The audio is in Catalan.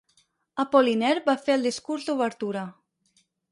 Apollinaire va fer el discurs d'obertura.